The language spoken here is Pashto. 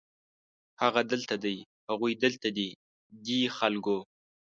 هغه دلته دی، هغوی دلته دي ، دې خلکو